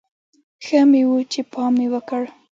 ښه مې و چې پام مې وکړ.